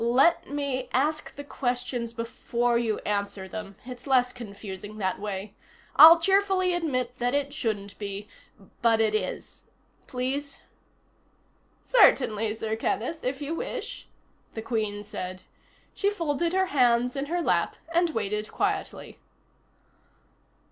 Let me ask the questions before you answer them. It's less confusing that way. I'll cheerfully admit that it shouldn't be but it is. Please?" "Certainly, Sir Kenneth, if you wish," the Queen said. She folded her hands in her lap and waited quietly.